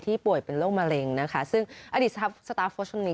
ที่ป่วยเป็นโรคมะเร็งซึ่งอดีตสตาฟโคชคนนี้